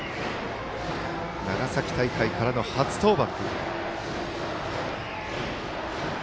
長崎大会からの初登板。